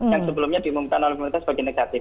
yang sebelumnya diumumkan oleh pemerintah sebagai negatif